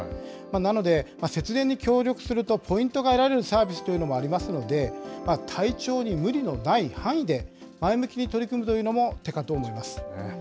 なので、節電に協力するとポイントが得られるサービスというのもありますので、体調に無理のない範囲で、前向きに取り組むというのも手かと思います。